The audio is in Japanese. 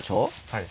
はい。